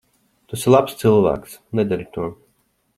Tu esi labs cilvēks. Nedari to.